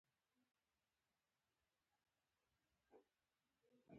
خو له خپلې بې تفاوتۍ څخه مې وساته چې ډېره بده ده.